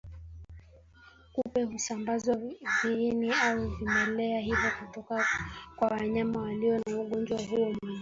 Kupe husambaza viini au vimelea hivyo kutoka kwa wanyama walio na ugonjwa huo mwilini